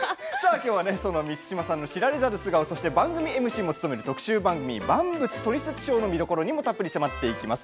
きょうは満島さんの知られざる素顔、そして番組ＭＣを務める特集番組「万物トリセツショー」の見どころにもたっぷり迫ります。